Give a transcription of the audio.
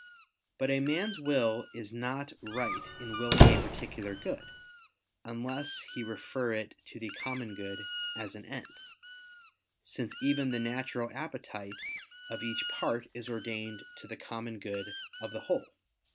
But a man's will is not right in willing a particular good, unless he refer it to the common good as an end: since even the natural appetite of each part is ordained to the common good of the whole.